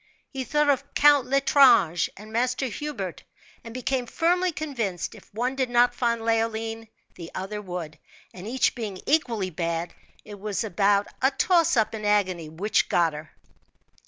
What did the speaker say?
He thought of Count L'Estrange and Master Hubert, and become firmly convinced, if one did not find Leoline the other would; and each being equally bad, it was about a toss up in agony which got her.